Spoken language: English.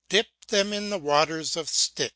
Dip them in the waters of Styx.